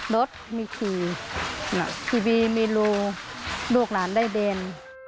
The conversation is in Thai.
รถมีขี่ทีวีมีรูลูกหลานได้เดิน